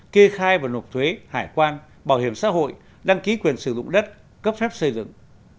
kê khai và nộp thuế hải quan bảo hiểm xã hội đăng ký quyền sử dụng đất cấp phép xây dựng